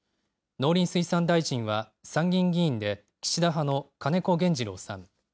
農林水産大臣は参議院議員で岸田派の金子原二郎さん。